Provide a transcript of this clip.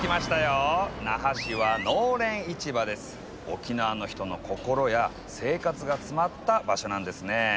沖縄の人の心や生活が詰まった場所なんですね。